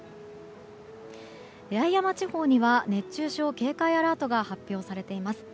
八重山地方には熱中症警戒アラートが発表されています。